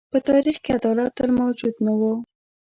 په تاریخ کې عدالت تل موجود نه و.